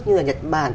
như là nhật bản